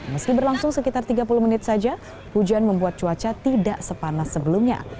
meski berlangsung sekitar tiga puluh menit saja hujan membuat cuaca tidak sepanas sebelumnya